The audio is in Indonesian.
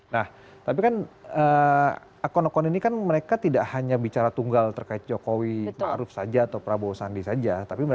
nah tapi kan akun akun ini kan mereka tidak hanya bicara tunggal terkait jokowi ⁇ maruf ⁇ saja atau prabowo sandi saja